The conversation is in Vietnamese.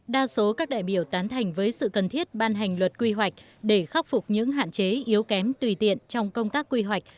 đa số các đại biểu tán thành với sự cần thiết ban hành luật quy hoạch để khắc phục những hạn chế yếu kém tùy tiện trong công tác quy hoạch